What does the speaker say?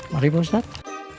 mari pak ustadz